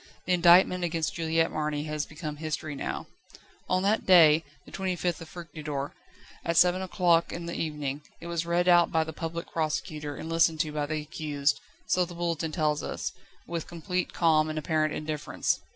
The indictment against Juliette Marny has become history now. On that day, the 25th Fructidor, at seven o'clock in the evening, it was read out by the Public Prosecutor, and listened to by the accused so the Bulletin tells us with complete calm and apparent indifference.